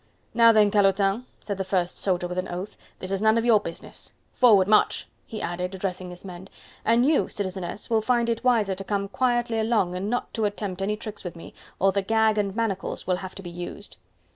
"Now then, calotin," said the first soldier with an oath, "this is none of your business. Forward! march!" he added, addressing his men, "and you, Citizeness, will find it wiser to come quietly along and not to attempt any tricks with me, or the gag and manacles will have to be used."